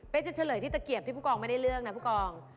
เป็นจะเฉลยที่ตะเกียบที่ผู้กองไม่ได้เลือกนะผู้กอง